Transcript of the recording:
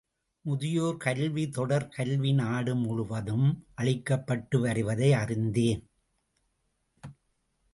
முதியோர் கல்வி தொடர் கல்வி நாடு முழுவதும் அளிக்கப்பட்டு வருவதை அறிந்தேன்.